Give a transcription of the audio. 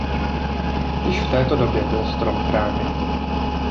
Již v této době byl strom chráněný.